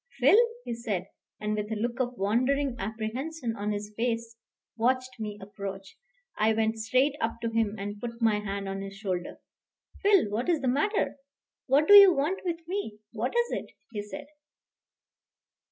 "Phil," he said, and with a look of wondering apprehension on his face, watched my approach. I went straight up to him and put my hand on his shoulder. "Phil, what is the matter? What do you want with me? What is it?" he said.